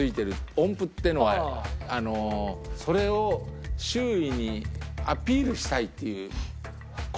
音符っていうのはそれを周囲にアピールしたいっていう事なんですね。